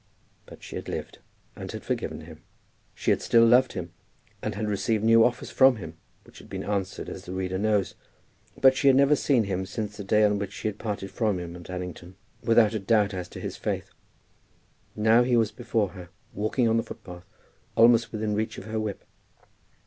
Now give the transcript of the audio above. But she had lived, and had forgiven him. She had still loved him, and had received new offers from him, which had been answered as the reader knows. But she had never seen him since the day on which she had parted from him at Allington, without a doubt as to his faith. Now he was before her, walking on the footpath, almost within reach of her whip.